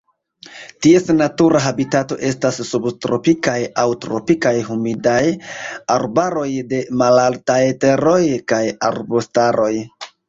Ties natura habitato estas subtropikaj aŭ tropikaj humidaj arbaroj de malaltaj teroj kaj arbustaroj.